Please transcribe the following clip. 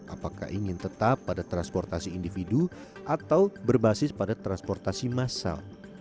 apakah ingin tetap pada transportasi individu atau berbasis pada transportasi massal